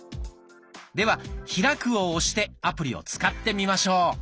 では「開く」を押してアプリを使ってみましょう。